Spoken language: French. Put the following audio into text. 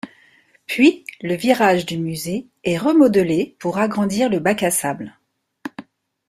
Puis le virage du Musée est remodelé pour agrandir le bac à sable.